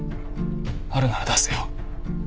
あるなら出せよ。